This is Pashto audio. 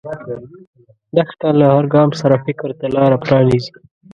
دښته له هر ګام سره فکر ته لاره پرانیزي.